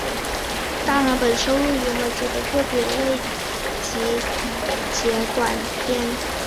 单行本收录于合集的作品未集结短篇